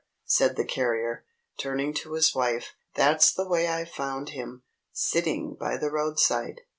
said the carrier, turning to his wife. "That's the way I found him, sitting by the roadside!